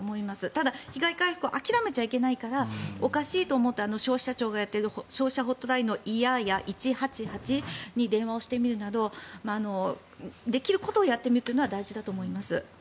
ただ、被害回復を諦めちゃいけないからおかしいと思ったら消費者庁がやっている消費者ホットラインの１８８に電話してみるなどできることをやってみるのは大事だと思います。